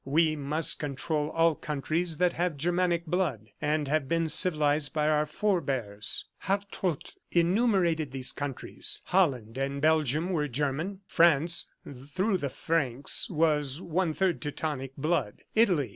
We must control all countries that have Germanic blood and have been civilized by our forbears." Hartrott enumerated these countries. Holland and Belgium were German. France, through the Franks, was one third Teutonic blood. Italy.